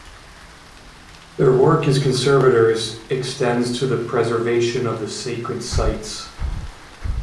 Their work as conservators extends to the preservation of the Sacred Sites.